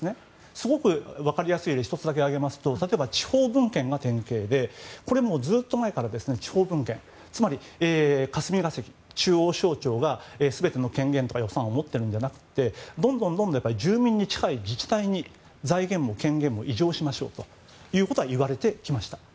すごく分かりやすい例を１つだけ挙げますと例えば地方分権が典型でこれ、ずっと前から地方分権つまり、霞が関中央省庁が全ての権限とか予算を持っているんじゃなくてどんどん住民に近い自治体に、財源も権限も委譲しましょうというのは言われてきました。